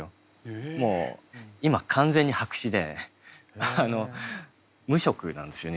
もう今完全に白紙で無色なんですよね